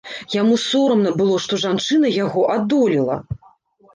Яму сорамна было, што жанчына яго адолела.